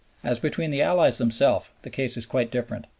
As between the Allies themselves the case is quite different.